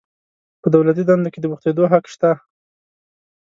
په دولتي دندو کې د بوختیدو حق شته.